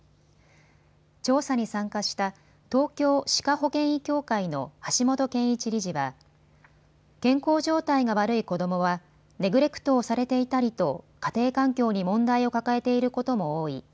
調査に参加した東京歯科保険医協会の橋本健一理事は健康状態が悪い子どもはネグレクトをされていたりと家庭環境に問題を抱えていることも多い。